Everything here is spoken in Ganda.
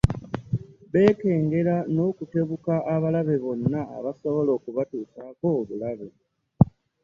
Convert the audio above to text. Beekengere n'okutebuka abalabe bonna abasobola okubatuusaako obulabe